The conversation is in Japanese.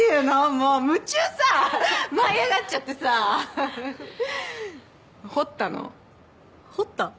もう夢中さ舞い上がっちゃってさはははっ彫ったの彫った？